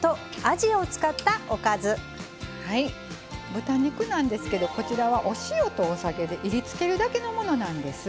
豚肉なんですけどこちらはお塩とお酒でいりつけるだけのものなんです。